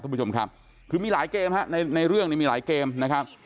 คุณผู้ชมครับคือมีหลายเกมฮะในในเรื่องนี้มีหลายเกมนะครับ